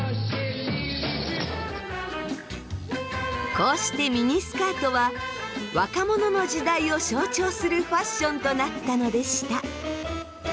こうしてミニスカートは若者の時代を象徴するファッションとなったのでした。